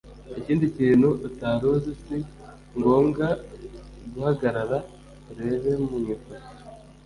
Ikindi kintu utari uzi si ngombwa guhagarara ureba mu ifoto